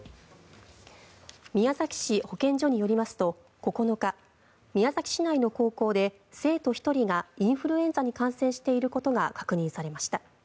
宮崎市保健所によりますと９日宮崎市内の高校で生徒１人がインフルエンザに感染していることが確認されました。